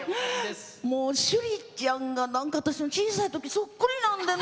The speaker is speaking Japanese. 趣里ちゃんが私の小さい時そっくりなのでね。